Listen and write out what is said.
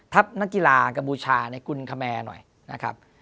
ทัพนักกีฬากบูชาในกุลคแมหน่อยนะครับ